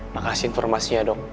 makasih informasinya dok